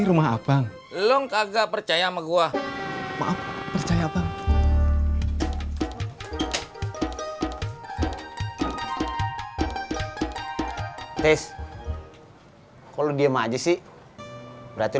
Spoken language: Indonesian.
kamu harus ngangkatin pindahan yang bener